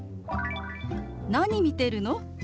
「何見てるの？」。